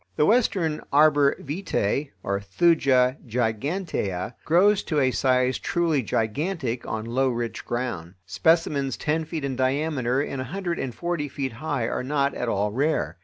The Western arbor vitæ (Thuja gigantea) grows to a size truly gigantic on low rich ground. Specimens ten feet in diameter and a hundred and forty feet high are not at all rare.